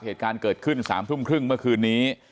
เหตุการณ์เกิดขึ้น๓ทุ่มครึ่งเมื่อคืนนี้